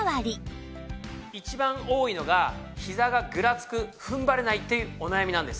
一番多いのがひざがぐらつく踏ん張れないというお悩みなんです。